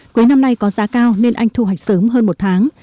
quế năm nay có giá cao nên anh thu hoạch sớm hơn một tháng